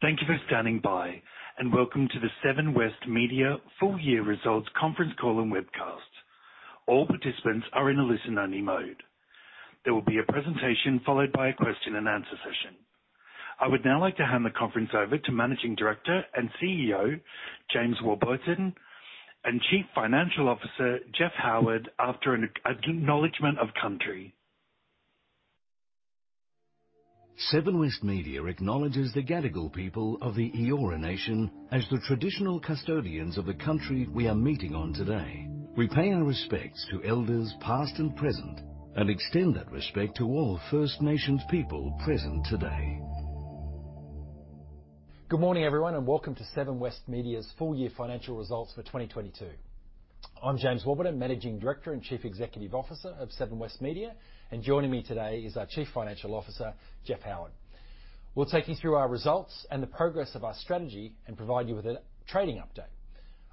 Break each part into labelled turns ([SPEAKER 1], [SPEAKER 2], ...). [SPEAKER 1] Thank you for standing by, and welcome to the Seven West Media Full Year Results Conference Call and Webcast. All participants are in a listen only mode. There will be a presentation followed by a question and answer session. I would now like to hand the conference over to Managing Director and CEO, James Warburton, and Chief Financial Officer, Jeff Howard, after an acknowledgment of country.
[SPEAKER 2] Seven West Media acknowledges the Gadigal people of the Eora Nation as the traditional custodians of the country we are meeting on today. We pay our respects to elders past and present, and extend that respect to all First Nations people present today.
[SPEAKER 3] Good morning, everyone, and welcome to Seven West Media's full year financial results for 2022. I'm James Warburton, Managing Director and Chief Executive Officer of Seven West Media, and joining me today is our Chief Financial Officer, Jeff Howard. We'll take you through our results and the progress of our strategy and provide you with a trading update.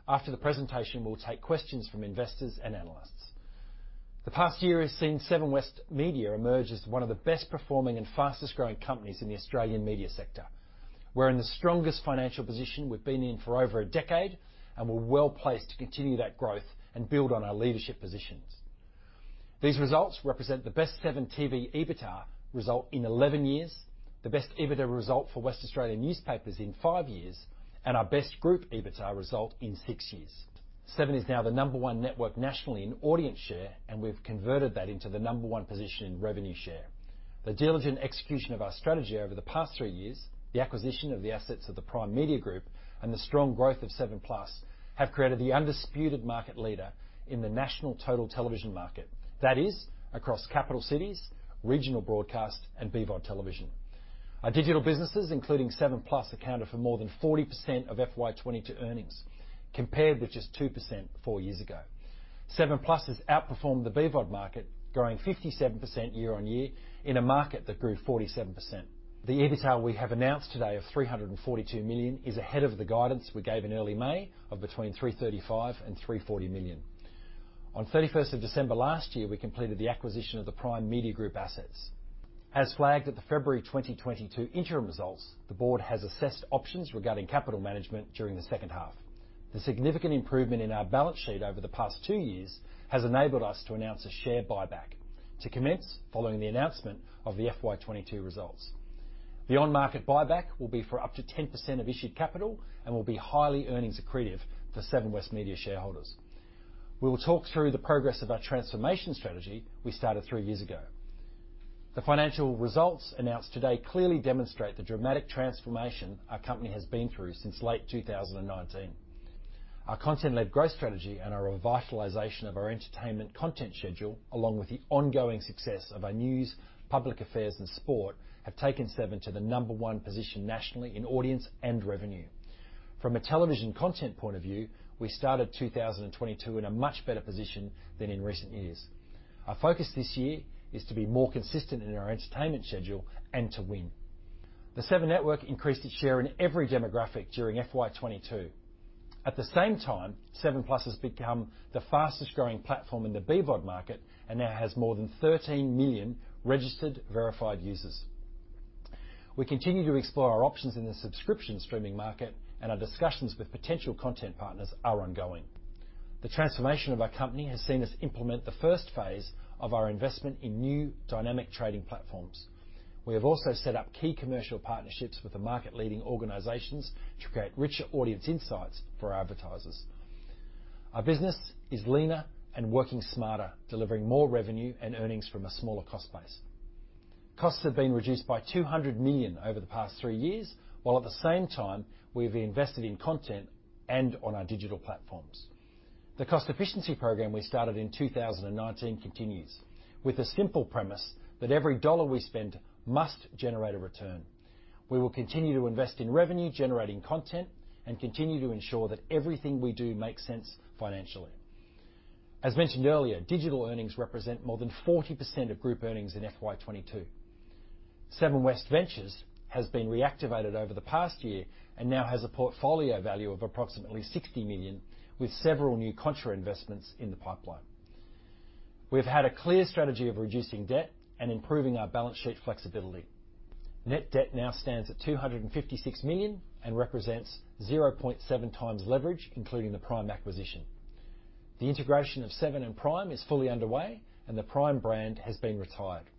[SPEAKER 3] After the presentation, we'll take questions from investors and analysts. The past year has seen Seven West Media emerge as one of the best performing and fastest growing companies in the Australian media sector. We're in the strongest financial position we've been in for over a decade, and we're well-placed to continue that growth and build on our leadership positions. These results represent the best Seven TV EBITDA result in 11 years, the best EBITDA result for West Australian Newspapers in five years, and our best group EBITDA result in six years. Seven is now the number one network nationally in audience share, and we've converted that into the number one position in revenue share. The diligent execution of our strategy over the past three years, the acquisition of the assets of the Prime Media Group, and the strong growth of 7plus have created the undisputed market leader in the national total television market. That is across capital cities, regional broadcast, and BVOD television. Our digital businesses, including 7plus, accounted for more than 40% of FY2022 earnings, compared with just 2% four years ago. 7plus has outperformed the BVOD market, growing 57% year-on-year in a market that grew 47%. The EBITDA we have announced today of 342 million is ahead of the guidance we gave in early May of between 335 million and 340 million. On 31st of December last year, we completed the acquisition of the Prime Media Group assets. As flagged at the February 2022 interim results, the board has assessed options regarding capital management during the second half. The significant improvement in our balance sheet over the past two years has enabled us to announce a share buyback to commence following the announcement of the FY 2022 results. The on-market buyback will be for up to 10% of issued capital and will be highly earnings accretive for Seven West Media shareholders. We will talk through the progress of our transformation strategy we started three years ago. The financial results announced today clearly demonstrate the dramatic transformation our company has been through since late 2019. Our content-led growth strategy and our revitalization of our entertainment content schedule, along with the ongoing success of our news, public affairs, and sport, have taken Seven to the number one position nationally in audience and revenue. From a television content point of view, we started 2022 in a much better position than in recent years. Our focus this year is to be more consistent in our entertainment schedule and to win. The Seven Network increased its share in every demographic during FY 2022. At the same time, 7plus has become the fastest growing platform in the BVOD market and now has more than 13 million registered verified users. We continue to explore our options in the subscription streaming market, and our discussions with potential content partners are ongoing. The transformation of our company has seen us implement the first phase of our investment in new dynamic trading platforms. We have also set up key commercial partnerships with the market leading organizations to create richer audience insights for our advertisers. Our business is leaner and working smarter, delivering more revenue and earnings from a smaller cost base. Costs have been reduced by 200 million over the past three years, while at the same time, we've invested in content and on our digital platforms. The cost efficiency program we started in 2019 continues with a simple premise that every dollar we spend must generate a return. We will continue to invest in revenue-generating content and continue to ensure that everything we do makes sense financially. As mentioned earlier, digital earnings represent more than 40% of group earnings in FY2022. Seven West Ventures has been reactivated over the past year and now has a portfolio value of approximately 60 million, with several new contra investments in the pipeline. We've had a clear strategy of reducing debt and improving our balance sheet flexibility. Net debt now stands at 256 million and represents 0.7 times leverage, including the Prime acquisition. The integration of Seven and Prime is fully underway, and the Prime brand has been retired.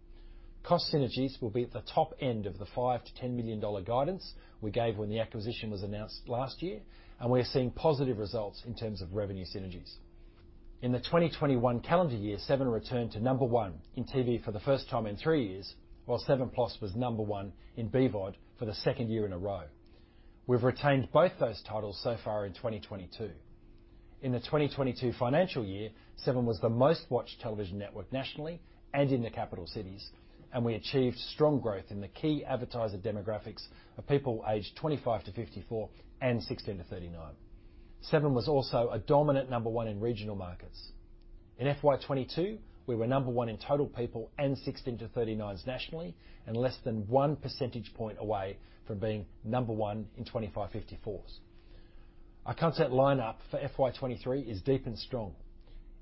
[SPEAKER 3] Cost synergies will be at the top end of the 5 million-10 million dollar guidance we gave when the acquisition was announced last year, and we're seeing positive results in terms of revenue synergies. In the 2021 calendar year, Seven returned to number one in TV for the first time in three years, while 7plus was number one in BVOD for the second year in a row. We've retained both those titles so far in 2022. In the 2022 financial year, Seven was the most watched television network nationally and in the capital cities, and we achieved strong growth in the key advertiser demographics of people aged 25-54 and 16-39. Seven was also a dominant number one in regional markets. In FY2022, we were number one in total people and 16-39s nationally and less than 1 percentage point away from being number one in 25-54s. Our content lineup for FY2023 is deep and strong.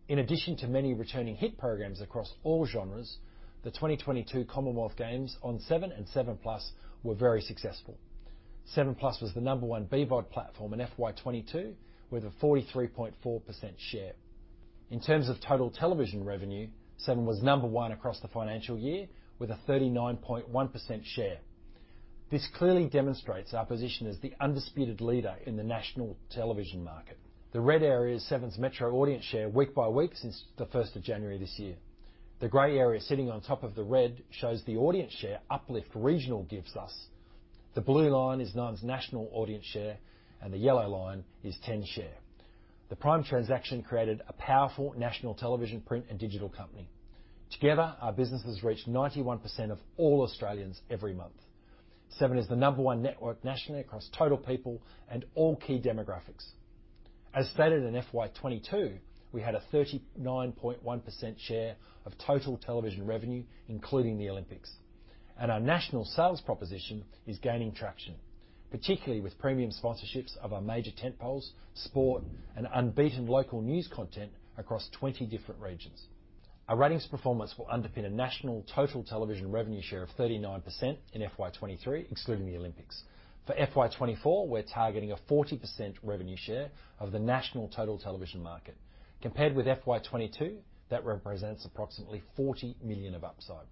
[SPEAKER 3] In addition to many returning hit programs across all genres, the 2022 Commonwealth Games on Seven and 7plus were very successful. 7plus was the number one BVOD platform in FY2022, with a 43.4% share. In terms of total television revenue, Seven was number one across the financial year with a 39.1% share. This clearly demonstrates our position as the undisputed leader in the national television market. The red area is Seven's metro audience share week by week since the first of January this year. The gray area sitting on top of the red shows the audience share uplift regional gives us. The blue line is Nine's national audience share, and the yellow line is Ten's share. The Prime transaction created a powerful national television, print, and digital company. Together, our businesses reach 91% of all Australians every month. Seven is the number one network nationally across total people and all key demographics. As stated in FY2022, we had a 39.1% share of total television revenue, including the Olympics, and our national sales proposition is gaining traction, particularly with premium sponsorships of our major tentpoles, sport, and unbeaten local news content across 20 different regions. Our ratings performance will underpin a national total television revenue share of 39% in FY2023, excluding the Olympics. For FY2024, we're targeting a 40% revenue share of the national total television market. Compared with FY2022, that represents approximately 40 million of upside.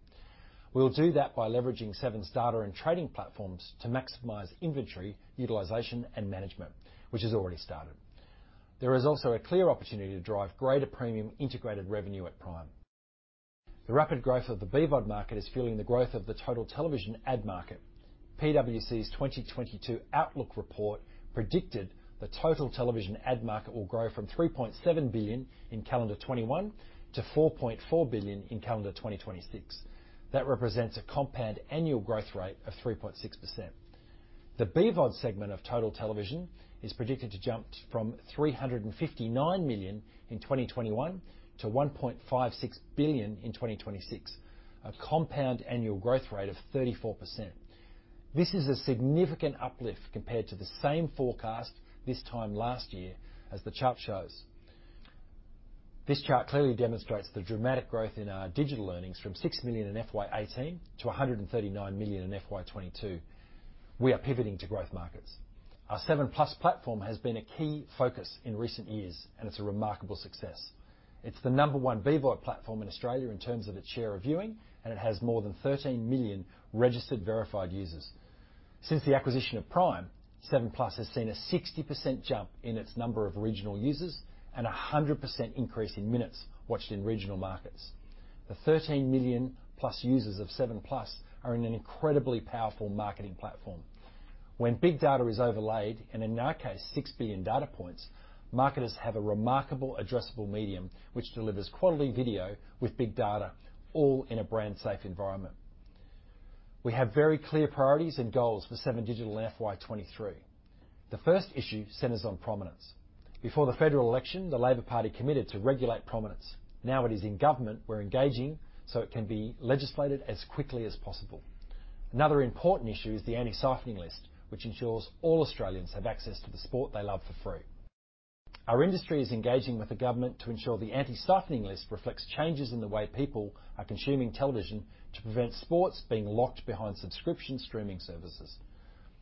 [SPEAKER 3] We'll do that by leveraging Seven's data and trading platforms to maximize inventory, utilization, and management, which has already started. There is also a clear opportunity to drive greater premium integrated revenue at Prime. The rapid growth of the BVOD market is fueling the growth of the total television ad market. PwC's 2022 outlook report predicted the total television ad market will grow from 3.7 billion in calendar 2021 to 4.4 billion in calendar 2026. That represents a compound annual growth rate of 3.6%. The BVOD segment of total television is predicted to jump from 359 million in 2021 to 1.56 billion in 2026, a compound annual growth rate of 34%. This is a significant uplift compared to the same forecast this time last year, as the chart shows. This chart clearly demonstrates the dramatic growth in our digital earnings from 6 million in FY2018 to 139 million in FY2022. We are pivoting to growth markets. Our 7plus platform has been a key focus in recent years, and it's a remarkable success. It's the number one BVOD platform in Australia in terms of its share of viewing, and it has more than 13 million registered verified users. Since the acquisition of Prime, 7plus has seen a 60% jump in its number of regional users and a 100% increase in minutes watched in regional markets. The 13 million-plus users of 7plus are in an incredibly powerful marketing platform. When big data is overlaid, and in our case, 6 billion data points, marketers have a remarkable addressable medium, which delivers quality video with big data, all in a brand safe environment. We have very clear priorities and goals for 7digital in FY2023. The first issue centers on prominence. Before the federal election, the Labor Party committed to regulate prominence. Now it is in government, we're engaging, so it can be legislated as quickly as possible. Another important issue is the anti-siphoning list, which ensures all Australians have access to the sport they love for free. Our industry is engaging with the government to ensure the anti-siphoning list reflects changes in the way people are consuming television to prevent sports being locked behind subscription streaming services.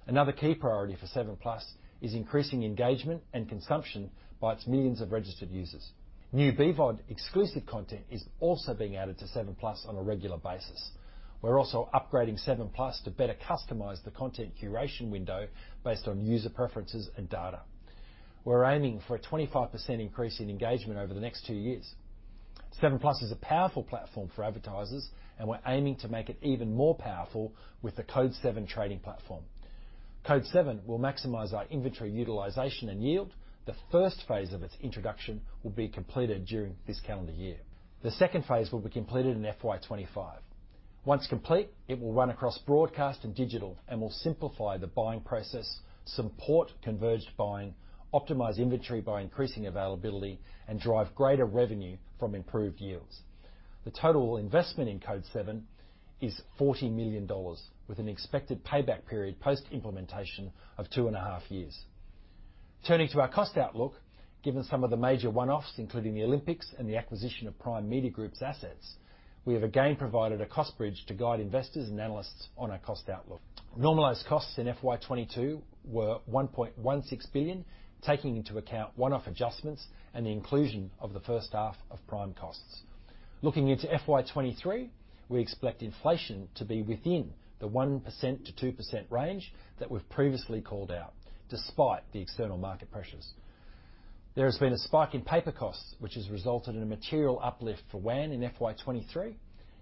[SPEAKER 3] Another key priority for 7plus is increasing engagement and consumption by its millions of registered users. New BVOD exclusive content is also being added to 7plus on a regular basis. We're also upgrading 7plus to better customize the content curation window based on user preferences and data. We're aiming for a 25% increase in engagement over the next two years. 7plus is a powerful platform for advertisers, and we're aiming to make it even more powerful with the CODE 7plus trading platform. CODE 7plus will maximize our inventory, utilization, and yield. The first phase of its introduction will be completed during this calendar year. The second phase will be completed in FY2025. Once complete, it will run across broadcast and digital and will simplify the buying process, support converged buying, optimize inventory by increasing availability, and drive greater revenue from improved yields. The total investment in CODE 7 is 40 million dollars, with an expected payback period post-implementation of 2.5 years. Turning to our cost outlook, given some of the major one-offs, including the Olympics and the acquisition of Prime Media Group's assets, we have again provided a cost bridge to guide investors and analysts on our cost outlook. Normalized costs in FY2022 were 1.16 billion, taking into account one-off adjustments and the inclusion of the first half of Prime costs. Looking into FY2023, we expect inflation to be within the 1%-2% range that we've previously called out, despite the external market pressures. There has been a spike in paper costs, which has resulted in a material uplift for WAN in FY2023.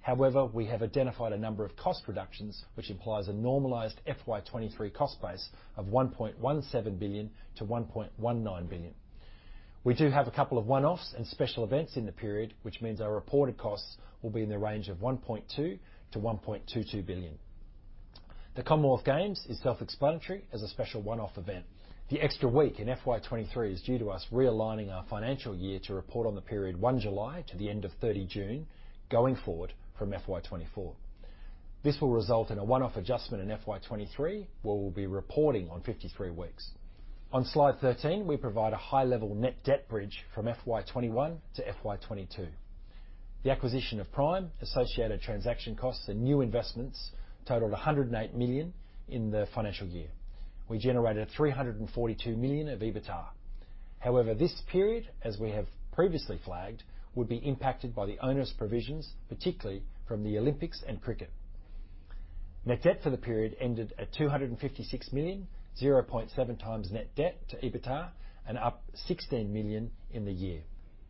[SPEAKER 3] However, we have identified a number of cost reductions, which implies a normalized FY2023 cost base of 1.17 billion-1.19 billion. We do have a couple of one-offs and special events in the period, which means our reported costs will be in the range of 1.2 billion-1.22 billion. The Commonwealth Games is self-explanatory as a special one-off event. The extra week in FY2023 is due to us realigning our financial year to report on the period 1 July to the end of 30 June going forward from FY2024. This will result in a one-off adjustment in FY2023, where we'll be reporting on 53 weeks. On slide 13, we provide a high-level net debt bridge from FY2021 to FY2022. The acquisition of Prime, associated transaction costs and new investments totaled 108 million in the financial year. We generated 342 million of EBITDA. However, this period, as we have previously flagged, would be impacted by the onerous provisions, particularly from the Olympics and cricket. Net debt for the period ended at 256 million, 0.7 times net debt to EBITDA, and up 16 million in the year.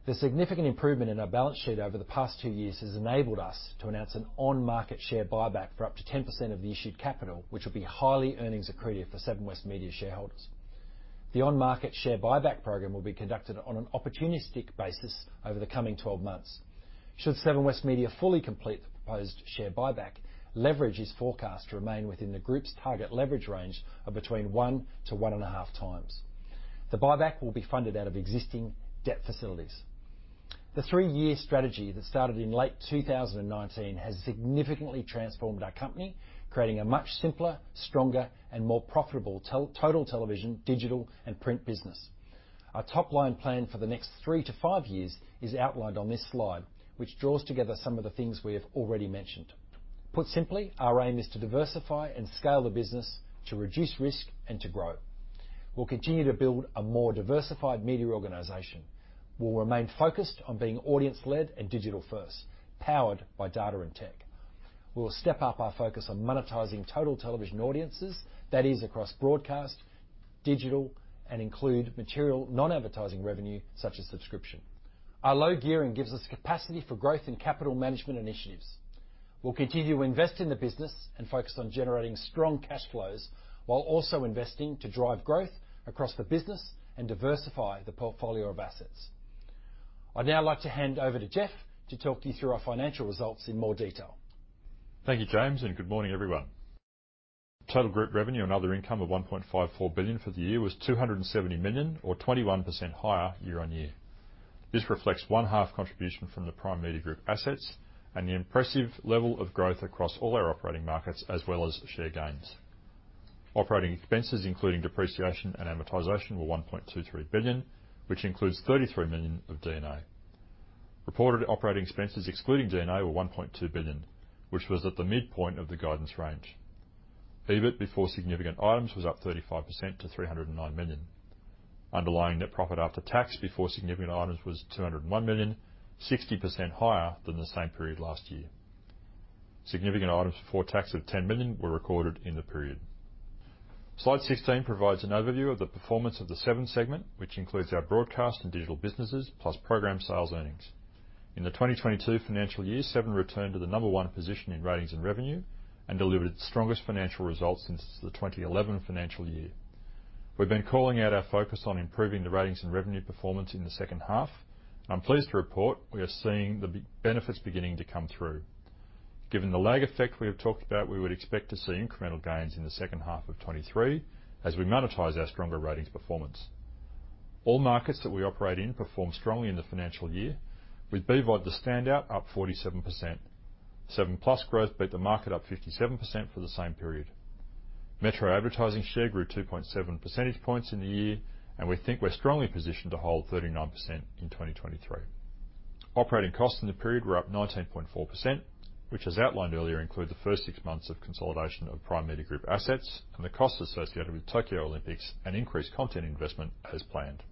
[SPEAKER 3] The significant improvement in our balance sheet over the past two years has enabled us to announce an on-market share buyback for up to 10% of the issued capital, which will be highly earnings accretive for Seven West Media shareholders. The on-market share buyback program will be conducted on an opportunistic basis over the coming 12 months. Should Seven West Media fully complete the proposed share buyback, leverage is forecast to remain within the group's target leverage range of between 1-1.5 times. The buyback will be funded out of existing debt facilities. The three-year strategy that started in late 2019 has significantly transformed our company, creating a much simpler, stronger, and more profitable total television, digital, and print business. Our top-line plan for the next three to five years is outlined on this slide, which draws together some of the things we have already mentioned. Put simply, our aim is to diversify and scale the business to reduce risk and to grow. We'll continue to build a more diversified media organization. We'll remain focused on being audience-led and digital first, powered by data and tech. We'll step up our focus on monetizing total television audiences, that is, across broadcast, digital, and including material non-advertising revenue such as subscription. Our low gearing gives us capacity for growth and capital management initiatives. We'll continue to invest in the business and focus on generating strong cash flows, while also investing to drive growth across the business and diversify the portfolio of assets. I'd now like to hand over to Jeff to talk you through our financial results in more detail.
[SPEAKER 4] Thank you, James, and good morning, everyone. Total group revenue and other income of AUD 1.54 billion for the year was AUD 270 million, or 21% higher year-on-year. This reflects one-half contribution from the Prime Media Group assets and the impressive level of growth across all our operating markets, as well as share gains. Operating expenses, including depreciation and amortization, were AUD 1.23 billion, which includes 33 million of D&A. Reported operating expenses excluding D&A were AUD 1.2 billion, which was at the midpoint of the guidance range. EBIT before significant items was up 35% to 309 million. Underlying net profit after tax before significant items was 201 million, 60% higher than the same period last year. Significant items before tax of 10 million were recorded in the period. Slide 16 provides an overview of the performance of the Seven segment, which includes our broadcast and digital businesses, plus program sales earnings. In the 2022 financial year, Seven returned to the number one position in ratings and revenue and delivered its strongest financial results since the 2011 financial year. We've been calling out our focus on improving the ratings and revenue performance in the second half. I'm pleased to report we are seeing the benefits beginning to come through. Given the lag effect we have talked about, we would expect to see incremental gains in the second half of 2023 as we monetize our stronger ratings performance. All markets that we operate in performed strongly in the financial year, with BVOD the standout, up 47%. 7plus growth beat the market up 57% for the same period. Metro advertising share grew 2.7 percentage points in the year, and we think we're strongly positioned to hold 39% in 2023. Operating costs in the period were up 19.4%, which as outlined earlier include the first six months of consolidation of Prime Media Group assets and the costs associated with Tokyo Olympics and increased content investment as planned.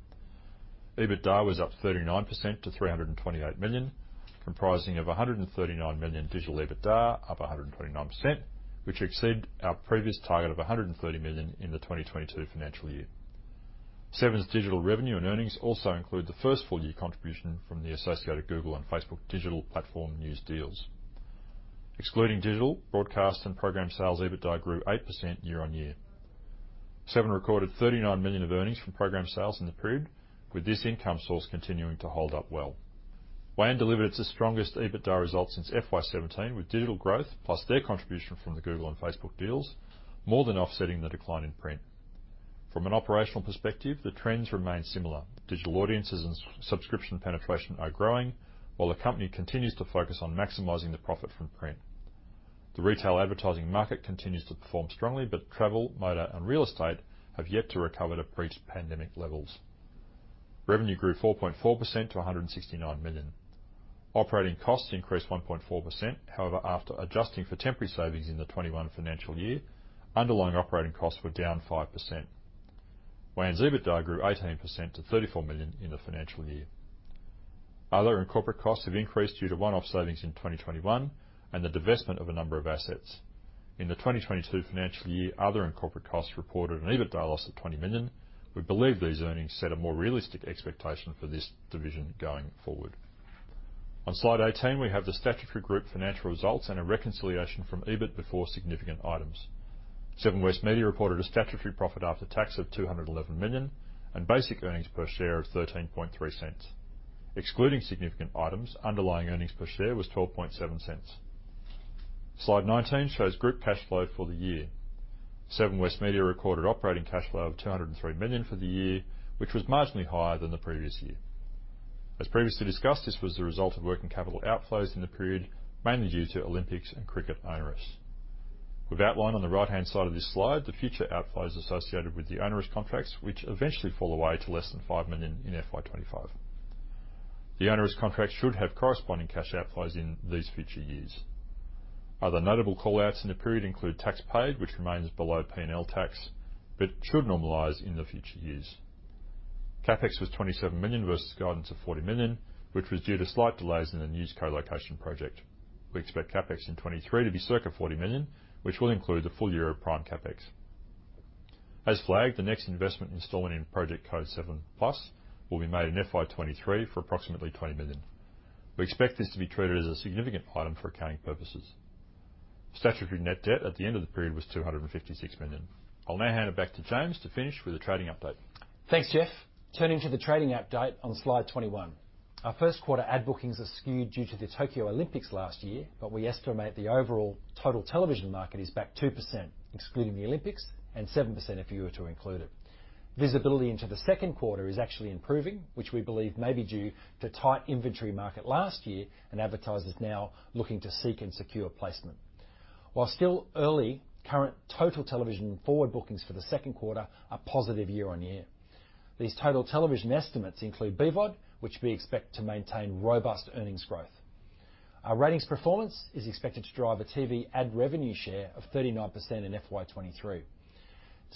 [SPEAKER 4] EBITDA was up 39% to 328 million, comprising of 139 million digital EBITDA, up 129%, which exceed our previous target of 130 million in the 2022 financial year. Seven's digital revenue and earnings also include the first full year contribution from the associated Google and Facebook digital platform news deals. Excluding digital, broadcast and program sales, EBITDA grew 8% year-on-year. Seven recorded 39 million of earnings from program sales in the period, with this income source continuing to hold up well. WAN delivered its strongest EBITDA result since FY2017, with digital growth, plus their contribution from the Google and Facebook deals, more than offsetting the decline in print. From an operational perspective, the trends remain similar. Digital audiences and subscription penetration are growing, while the company continues to focus on maximizing the profit from print. The retail advertising market continues to perform strongly, but travel, motor, and real estate have yet to recover to pre-pandemic levels. Revenue grew 4.4% to 169 million. Operating costs increased 1.4%. However, after adjusting for temporary savings in the 2021 financial year, underlying operating costs were down 5%. WAN's EBITDA grew 18% to 34 million in the financial year. Other and corporate costs have increased due to one-off savings in 2021 and the divestment of a number of assets. In the 2022 financial year, other and corporate costs reported an EBITDA loss of 20 million. We believe these earnings set a more realistic expectation for this division going forward. On slide 18, we have the statutory group financial results and a reconciliation from EBIT before significant items. Seven West Media reported a statutory profit after tax of 211 million and basic earnings per share of 0.133. Excluding significant items, underlying earnings per share was 0.127. Slide 19 shows group cash flow for the year. Seven West Media recorded operating cash flow of 203 million for the year, which was marginally higher than the previous year. As previously discussed, this was the result of working capital outflows in the period, mainly due to Olympics and cricket onerous. We've outlined on the right-hand side of this slide, the future outflows associated with the onerous contracts, which eventually fall away to less than 5 million in FY 2025. The onerous contract should have corresponding cash outflows in these future years. Other notable call-outs in the period include tax paid, which remains below P&L tax, but should normalize in the future years. CapEx was 27 million versus guidance of 40 million, which was due to slight delays in the news colocation project. We expect CapEx in 2023 to be circa 40 million, which will include the full year of Prime CapEx. As flagged, the next investment installment in Project CODE 7plus will be made in FY2023 for approximately 20 million. We expect this to be treated as a significant item for accounting purposes. Statutory net debt at the end of the period was AUD 256 million. I'll now hand it back to James to finish with a trading update.
[SPEAKER 3] Thanks, Jeff. Turning to the trading update on slide 21. Our first quarter ad bookings are skewed due to the Tokyo Olympics last year, but we estimate the overall total television market is back 2%, excluding the Olympics, and 7% if you were to include it. Visibility into the second quarter is actually improving, which we believe may be due to tight inventory market last year and advertisers now looking to seek and secure placement. While still early, current total television forward bookings for the second quarter are positive year-on-year. These total television estimates include BVOD, which we expect to maintain robust earnings growth. Our ratings performance is expected to drive a TV ad revenue share of 39% in FY 2023.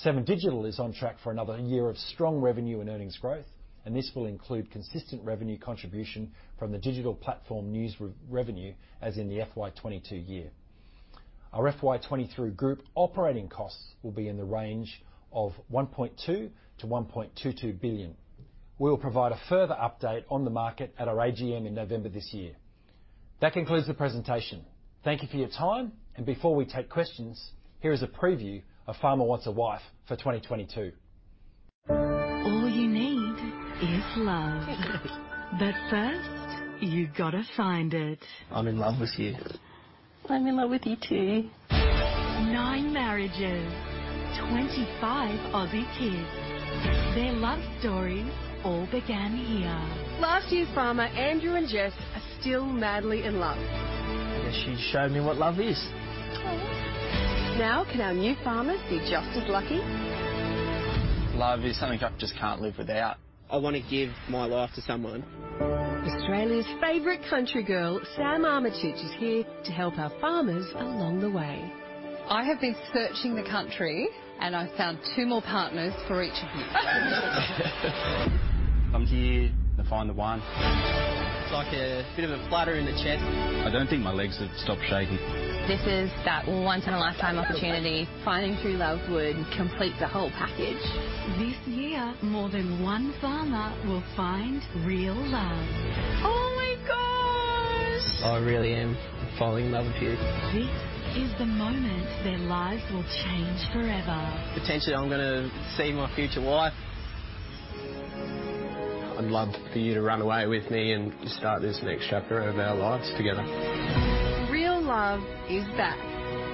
[SPEAKER 3] 7digital is on track for another year of strong revenue and earnings growth, and this will include consistent revenue contribution from the digital platform news revenue as in the FY2022 year. Our FY2023 group operating costs will be in the range of 1.2 billion-1.22 billion. We will provide a further update on the market at our AGM in November this year. That concludes the presentation. Thank you for your time. Before we take questions, here is a preview of Farmer Wants a Wife for 2022.
[SPEAKER 2] All you need is love. First, you've gotta find it. I'm in love with you. I'm in love with you, too. Nine marriages, 25 Aussie kids. Their love stories all began here. Last year's farmer, Andrew and Jess, are still madly in love. I guess she showed me what love is. Aw. Now, can our new farmers be just as lucky? Love is something I just can't live without. I wanna give my life to someone. Australia's favorite country girl, Samantha Armytage, is here to help our farmers along the way. I have been searching the country, and I found two more partners for each of you. I'm here to find the one. It's like a bit of a flutter in the chest. I don't think my legs have stopped shaking. This is that once in a lifetime opportunity. Finding true love would complete the whole package. This year, more than one farmer will find real love. Oh my gosh. I really am falling in love with you. This is the moment their lives will change forever. Potentially, I'm gonna see my future wife. I'd love for you to run away with me and start this next chapter of our lives together. Real Love is back.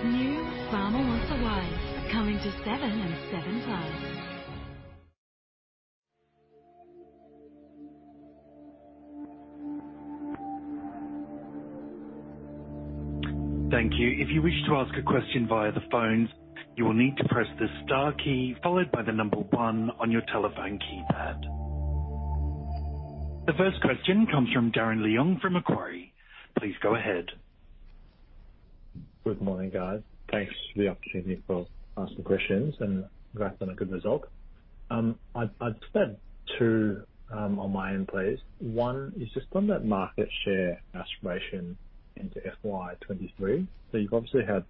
[SPEAKER 2] New Farmer Wants a Wife. Coming to Seven and 7plus.
[SPEAKER 1] Thank you. If you wish to ask a question via the phone, you will need to press the star key followed by the number one on your telephone keypad. The first question comes from Darren Leung from Macquarie. Please go ahead.
[SPEAKER 5] Good morning, guys. Thanks for the opportunity for asking questions, and congrats on a good result. I'd just add two on my end, please. One is just on that market share aspiration into FY 2023. So you've obviously had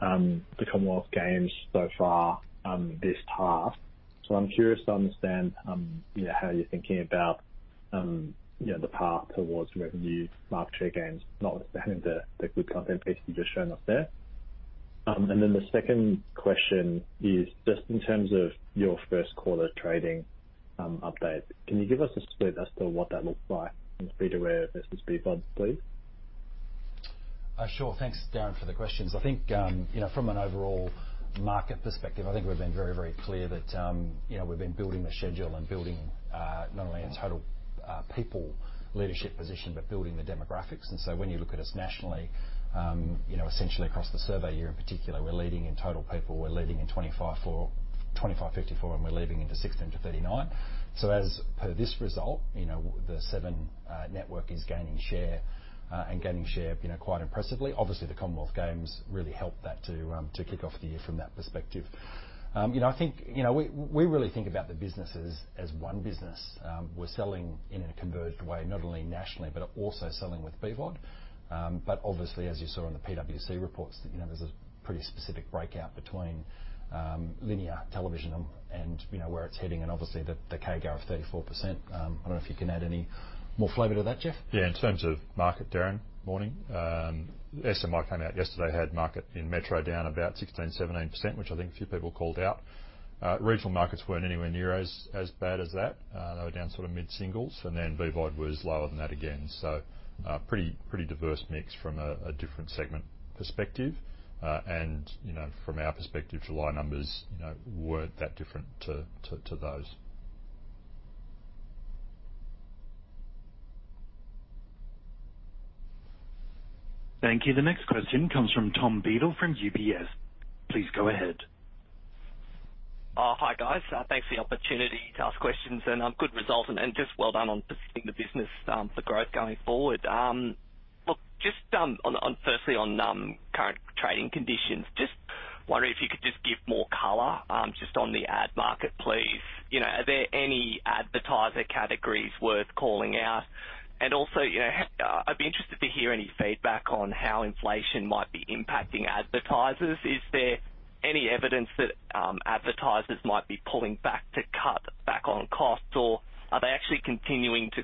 [SPEAKER 5] the Commonwealth Games so far this half. So I'm curious to understand you know how you're thinking about you know the path towards revenue market share gains, notwithstanding the good content base you've just shown us there. And then the second question is just in terms of your first quarter trading update. Can you give us a split as to what that looks like in SVOD versus BVOD, please?
[SPEAKER 3] Sure. Thanks, Darren, for the questions. I think you know, from an overall market perspective, I think we've been very, very clear that you know, we've been building the schedule and building not only a total people leadership position, but building the demographics. When you look at us nationally, you know, essentially across the survey year in particular, we're leading in total people, we're leading in 25-54, and we're leading in 16-39. As per this result, you know, the Seven Network is gaining share and gaining share you know, quite impressively. Obviously, the Commonwealth Games really helped that to kick off the year from that perspective. I think you know, we really think about the business as one business. We're selling in a converged way, not only nationally, but also selling with BVOD. Obviously, as you saw in the PwC reports, you know, there's a pretty specific breakout between linear television and, you know, where it's heading and obviously the CAGR of 34%. I don't know if you can add any more flavor to that, Jeff.
[SPEAKER 4] Yeah. In terms of market, Darren. Morning. SMI came out yesterday, had markets in metro down about 16%-17%, which I think a few people called out. Regional markets weren't anywhere near as bad as that. They were down sort of mid-singles, and then BVOD was lower than that again. Pretty diverse mix from a different segment perspective. You know, from our perspective, July numbers, you know, weren't that different to those.
[SPEAKER 1] Thank you. The next question comes from Tom Beadle from UBS. Please go ahead.
[SPEAKER 6] Hi, guys. Thanks for the opportunity to ask questions, and good results, and then just well done on positioning the business for growth going forward. Look, just firstly on current trading conditions. Just wondering if you could just give more color just on the ad market, please. You know, are there any advertiser categories worth calling out? And also, you know, I'd be interested to hear any feedback on how inflation might be impacting advertisers. Is there any evidence that advertisers might be pulling back to cut back on costs? Or are they actually continuing to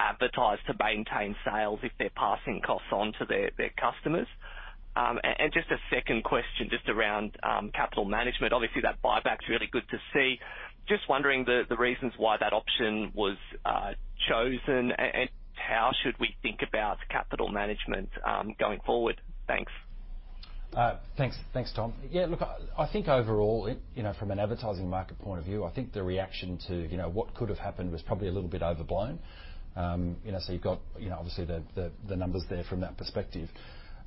[SPEAKER 6] advertise to maintain sales if they're passing costs on to their customers? And just a second question just around capital management. Obviously, that buyback's really good to see. Just wondering the reasons why that option was chosen and how should we think about capital management going forward? Thanks.
[SPEAKER 3] Thanks. Thanks, Tom. Yeah, look, I think overall, it, you know, from an advertising market point of view, I think the reaction to, you know, what could have happened was probably a little bit overblown. You've got, you know, obviously the numbers there from that perspective.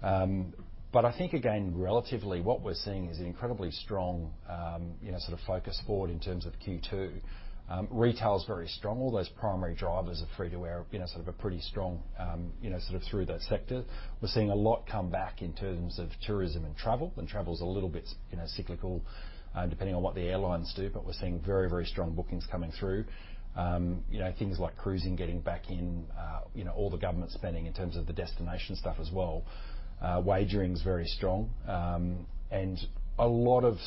[SPEAKER 3] I think again, relatively, what we're seeing is an incredibly strong, you know, sort of focus forward in terms of Q2. Retail is very strong. All those primary drivers are free-to-air, you know, sort of a pretty strong, you know, sort of through that sector. We're seeing a lot come back in terms of tourism and travel, and travel's a little bit, you know, cyclical, depending on what the airlines do, but we're seeing very, very strong bookings coming through. You know, things like cruising getting back in, you know, all the government spending in terms of the destination stuff as well. Wagering's very strong. A lot of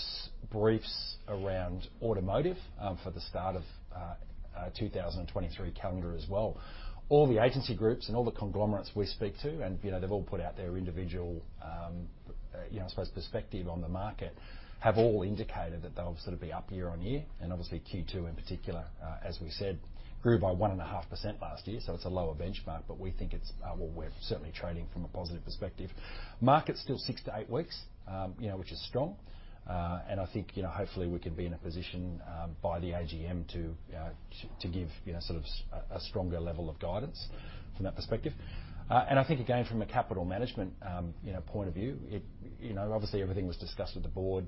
[SPEAKER 3] briefs around automotive, for the start of 2023 calendar as well. All the agency groups and all the conglomerates we speak to and, you know, they've all put out their individual, you know, I suppose, perspective on the market, have all indicated that they'll sort of be up year-on-year. Obviously Q2 in particular, as we said, grew by 1.5% last year, so it's a lower benchmark, but we think it's well, we're certainly trading from a positive perspective. Market's still six to eight weeks, you know, which is strong. I think you know, hopefully we can be in a position by the AGM to give you know, sort of a stronger level of guidance from that perspective. I think again, from a capital management you know, point of view, you know, obviously everything was discussed at the board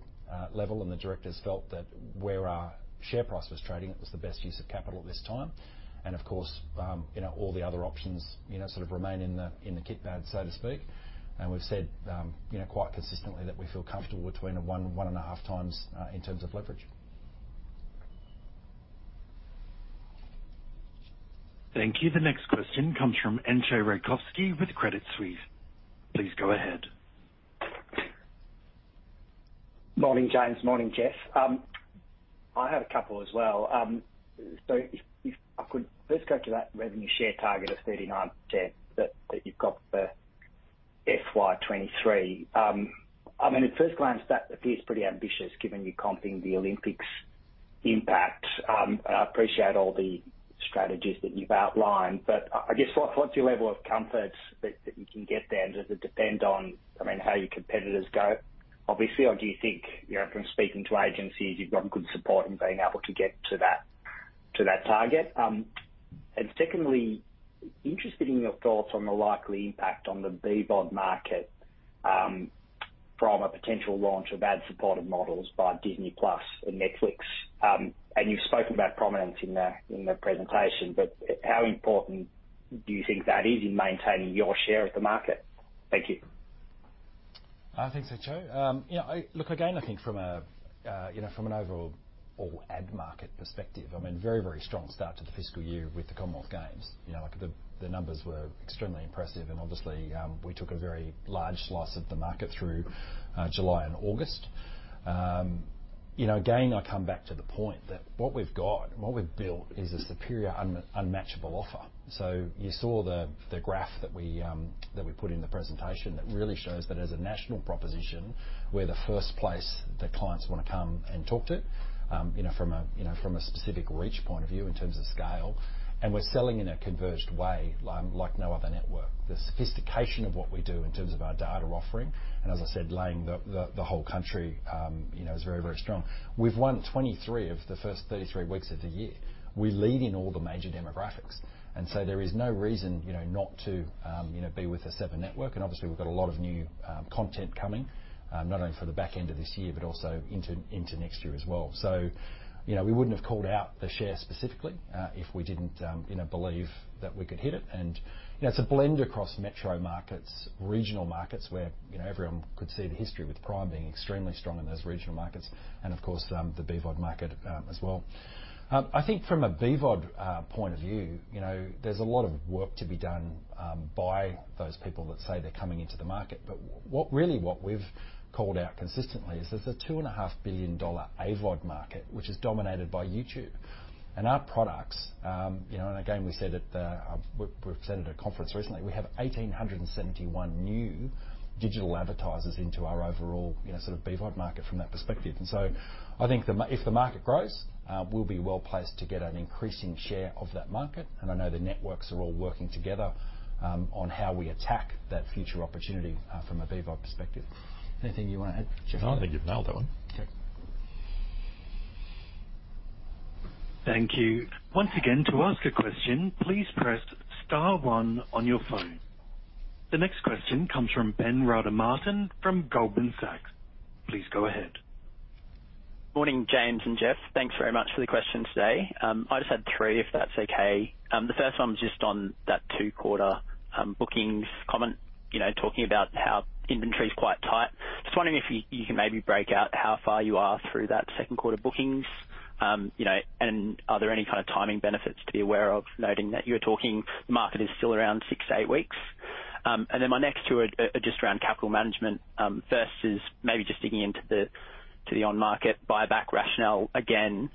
[SPEAKER 3] level, and the directors felt that where our share price was trading, it was the best use of capital at this time. Of course, you know, all the other options you know, sort of remain in the kit bag, so to speak. We've said you know, quite consistently that we feel comfortable between 1 and 1.5 times in terms of leverage.
[SPEAKER 1] Thank you. The next question comes from Entcho Raykovski with Credit Suisse. Please go ahead.
[SPEAKER 7] Morning, James. Morning, Jeff. I had a couple as well. If I could first go to that revenue share target of 39% that you've got for FY2023. I mean, at first glance, that appears pretty ambitious given you're comping the Olympics impact. I appreciate all the strategies that you've outlined, but I guess what's your level of comfort that you can get there? Does it depend on, I mean, how your competitors go obviously? Or do you think, you know, from speaking to agencies, you've got good support in being able to get to that target? Secondly, interested in your thoughts on the likely impact on the BVOD market, from a potential launch of ad-supported models by Disney+ and Netflix. You've spoken about prominence in the presentation, but how important do you think that is in maintaining your share of the market? Thank you.
[SPEAKER 3] Thanks, N. Joe. You know, I think from an overall ad market perspective, I mean, very, very strong start to the fiscal year with the Commonwealth Games. You know, like the numbers were extremely impressive and obviously, we took a very large slice of the market through July and August. You know, again, I come back to the point that what we've got and what we've built is a superior unmatchable offer. You saw the graph that we put in the presentation that really shows that as a national proposition, we're the first place that clients wanna come and talk to, you know, from a specific reach point of view in terms of scale, and we're selling in a converged way like no other network. The sophistication of what we do in terms of our data offering, and as I said, leading the whole country, you know, is very, very strong. We've won 23 of the first 33 weeks of the year. We lead in all the major demographics, and so there is no reason, you know, not to, you know, be with the Seven Network. Obviously we've got a lot of new content coming, not only for the back end of this year, but also into next year as well. You know, we wouldn't have called out the share specifically, if we didn't, you know, believe that we could hit it. You know, it's a blend across metro markets, regional markets, where you know, everyone could see the history with Prime being extremely strong in those regional markets and of course, the BVOD market, as well. I think from a BVOD point of view, you know, there's a lot of work to be done by those people that say they're coming into the market. Really what we've called out consistently is that the 2.5 billion dollar AVOD market, which is dominated by YouTube, and our products, you know, and again, we've said at a conference recently, we have 1,871 new digital advertisers into our overall, you know, sort of BVOD market from that perspective. I think if the market grows, we'll be well placed to get an increasing share of that market, and I know the networks are all working together, on how we attack that future opportunity, from a BVOD perspective. Anything you want to add, Jeff?
[SPEAKER 4] No, I think you've nailed that one.
[SPEAKER 3] Okay.
[SPEAKER 1] Thank you. Once again, to ask a question, please press star one on your phone. The next question comes from Ben Roden-Martin from Goldman Sachs. Please go ahead.
[SPEAKER 8] Morning, James and Jeff. Thanks very much for the question today. I just had three, if that's okay. The first one was just on that Q2 bookings comment, you know, talking about how inventory's quite tight. Just wondering if you can maybe break out how far you are through that second quarter bookings. You know, and are there any kind of timing benefits to be aware of noting that you're talking the market is still around six to eight weeks? My next two are just around capital management. First is maybe just digging into the on-market buyback rationale again.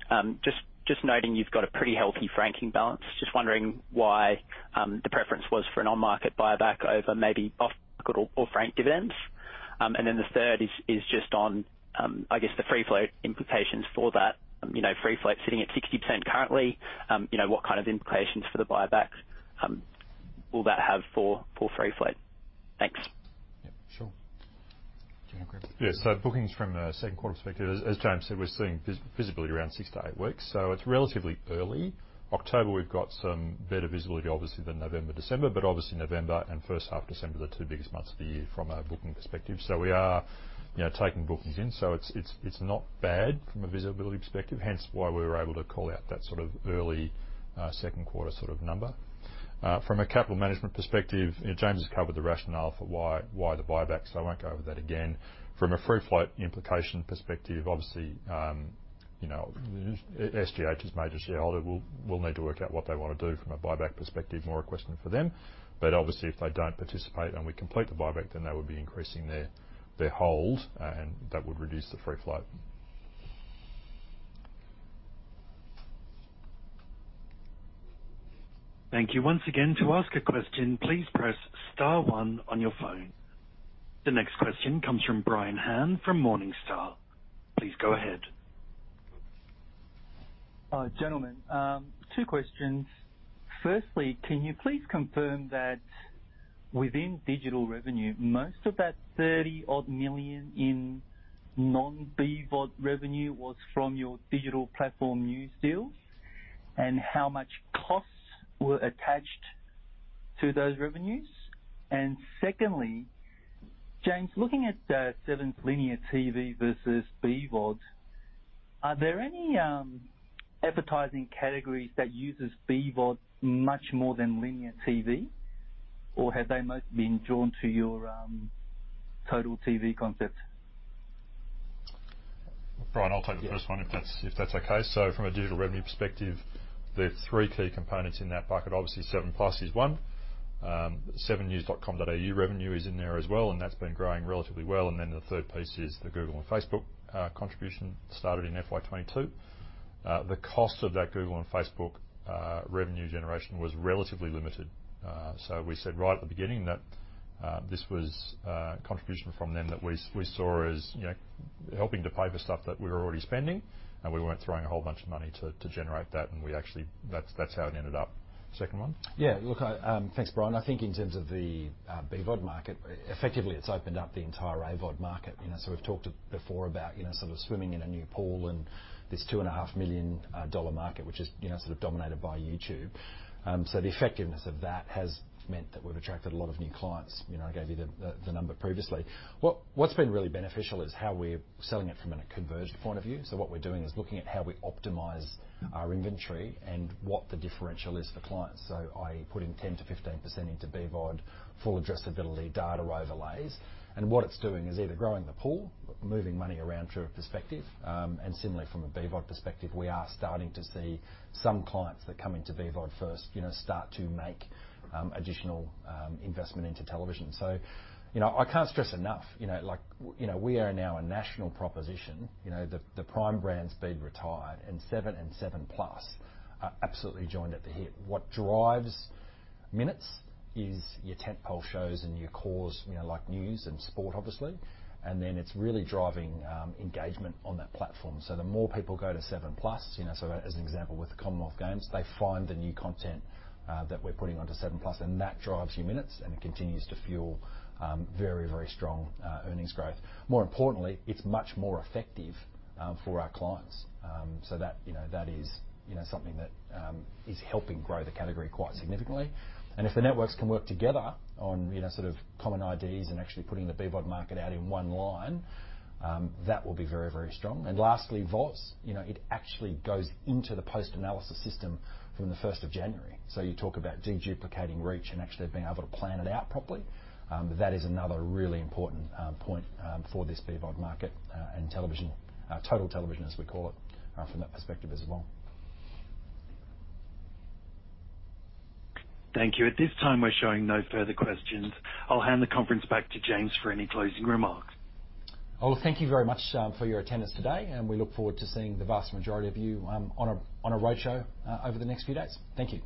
[SPEAKER 8] Just noting you've got a pretty healthy franking balance. Just wondering why the preference was for an on-market buyback over maybe off-market or franked dividends. The third is just on, I guess, the free float implications for that. You know, free float sitting at 60% currently, you know, what kind of implications for the buyback will that have for free float? Thanks.
[SPEAKER 3] Yeah, sure. Do you want to grab it?
[SPEAKER 4] Bookings from a second quarter perspective, as James said, we're seeing visibility around six to eight weeks, so it's relatively early. October, we've got some better visibility obviously than November, December. Obviously November and first half December are the two biggest months of the year from a booking perspective. We are, you know, taking bookings in. It's not bad from a visibility perspective, hence why we were able to call out that sort of early second quarter sort of number. From a capital management perspective, you know, James has covered the rationale for why the buyback, so I won't go over that again. From a free float implication perspective, obviously, you know, SGH's major shareholder will need to work out what they wanna do from a buyback perspective, more a question for them. Obviously if they don't participate and we complete the buyback, then they would be increasing their hold and that would reduce the free float.
[SPEAKER 1] Thank you. Once again, to ask a question, please press star one on your phone. The next question comes from Brian Han from Morningstar. Please go ahead.
[SPEAKER 9] Gentlemen, two questions. Firstly, can you please confirm that within digital revenue, most of that 30-odd million in non-BVOD revenue was from your digital platform news deals, and how much costs were attached to those revenues? Secondly, James, looking at Seven's linear TV versus BVOD, are there any advertising categories that uses BVOD much more than linear TV, or have they mostly been drawn to your total TV concept?
[SPEAKER 4] Brian, I'll take the first one if that's okay. From a digital revenue perspective, the three key components in that bucket, obviously 7plus is one. 7NEWS.com.au revenue is in there as well, and that's been growing relatively well. Then the third piece is the Google and Facebook contribution started in FY2022. The cost of that Google and Facebook revenue generation was relatively limited. We said right at the beginning that this was contribution from them that we saw as, you know, helping to pay for stuff that we were already spending, and we weren't throwing a whole bunch of money to generate that. We actually, that's how it ended up. Second one?
[SPEAKER 3] Yeah. Look, I thanks, Brian. I think in terms of the BVOD market, effectively, it's opened up the entire AVOD market. You know, so we've talked before about, you know, sort of swimming in a new pool and this 2.5 million dollar market, which is, you know, sort of dominated by YouTube. So the effectiveness of that has meant that we've attracted a lot of new clients. You know, I gave you the number previously. What's been really beneficial is how we're selling it from a conversion point of view. So what we're doing is looking at how we optimize our inventory and what the differential is for clients. So i.e., putting 10%-15% into BVOD, full addressability data overlays. What it's doing is either growing the pool, moving money around through a perspective. Similarly from a BVOD perspective, we are starting to see some clients that come into BVOD first, you know, start to make, additional, investment into television. You know, I can't stress enough, you know, like, you know, we are now a national proposition. You know, the Prime brand's been retired and Seven and 7plus are absolutely joined at the hip. What drives minutes is your tentpole shows and your cores, you know, like news and sport obviously. It's really driving engagement on that platform. The more people go to 7plus, you know, so as an example, with the Commonwealth Games, they find the new content, that we're putting onto 7plus and that drives your minutes and it continues to fuel, very, very strong, earnings growth. More importantly, it's much more effective for our clients. That, you know, that is, you know, something that is helping grow the category quite significantly. If the networks can work together on, you know, sort of common IDs and actually putting the BVOD market out in one line, that will be very, very strong. Lastly, VODs. You know, it actually goes into the post-analysis system from the first of January. You talk about de-duplicating reach and actually being able to plan it out properly. That is another really important point for this BVOD market and television, total television as we call it, from that perspective as well.
[SPEAKER 1] Thank you. At this time, we're showing no further questions. I'll hand the conference back to James for any closing remarks.
[SPEAKER 3] Well, thank you very much for your attendance today, and we look forward to seeing the vast majority of you on a roadshow over the next few days. Thank you.